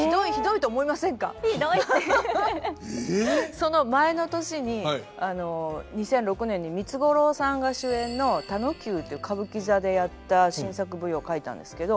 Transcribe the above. その前の年に２００６年に三津五郎さんが主演の「たのきゅう」っていう歌舞伎座でやった新作舞踊書いたんですけど。